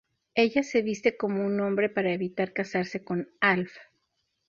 Ella se viste como un hombre para evitar casarse con Alf.